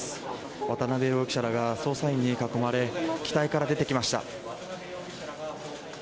渡辺容疑者らが捜査員に囲まれ機体から出てきました。